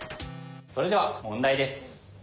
それでは問題です。